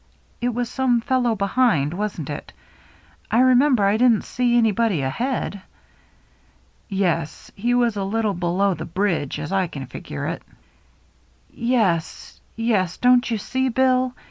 It was some fellow behind, wasn't it ? I remember I didn't see anybody ahead." " Yes — he was a little below the bridge, as I figure it." " Yes — yes — don't you see. Bill